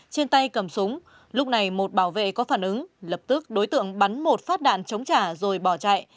trên tay cầm súng lúc này một bảo vệ có phản ứng lập tức đối tượng bắn một phát đạn chống trả rồi bỏ chạy